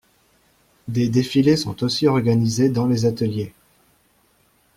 Des défilés sont aussi organisés dans les ateliers.